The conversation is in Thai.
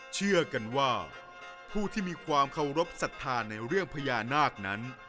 เชื่อกันว่าผู้ที่มีความเคารพสัทธาในเรื่องพญานาคนั้น